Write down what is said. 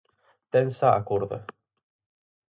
Tensa a corda.